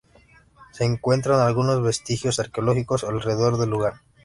Se encuentran algunos vestigios arqueológicos alrededor del lugar.